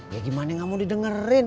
ya gimana gak mau didengerin